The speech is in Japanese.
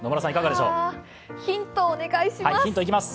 ヒントをお願いします。